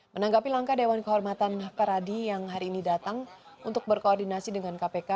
menanggapi langkah dewan kehormatan peradi yang hari ini datang untuk berkoordinasi dengan kpk